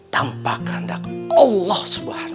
tanpa kehendak allah swt